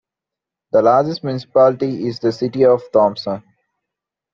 The largest municipality is the city of Thompson.